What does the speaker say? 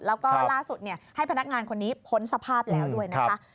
แล้วก็ล่าสุดให้พนักงานคนนี้พ้นสภาพแล้วด้วยนะคะ